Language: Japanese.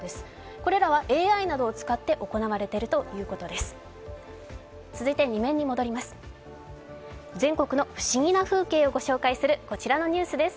これらはＡＩなどを使って行われているということです。